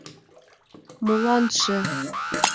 Моланже...